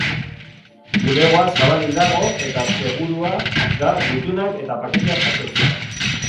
Bulegoa zabalik dago eta segurua da gutunak eta paketeak jasotzea.